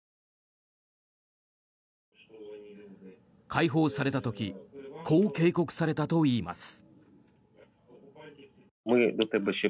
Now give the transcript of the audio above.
解放された時こう警告されたといいます。